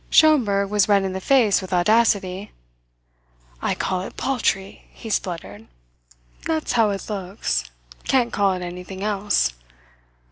Schomberg was red in the face with audacity. "I call it paltry," he spluttered. "That's how it looks. Can't call it anything else."